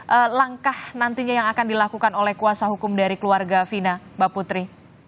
apa langkah nantinya yang akan dilakukan oleh kuasa hukum dari keluarga fina mbak putri